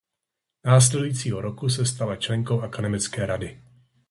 Následujícího roku se stala členkou Akademické rady.